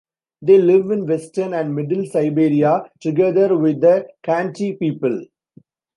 They live in western and middle Siberia, together with the Khanty people.